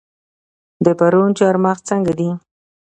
د پروان چارمغز څنګه دي؟